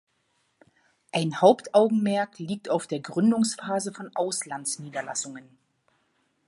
Ein Hauptaugenmerk liegt auf der Gründungsphase von Auslandsniederlassungen.